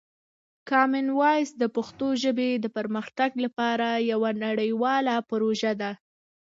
کامن وایس د پښتو ژبې د پرمختګ لپاره یوه نړیواله پروژه ده.